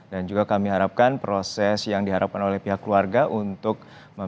dan juga kami harapkan proses yang diharapkan oleh pihak keluarga untuk meminta otopsi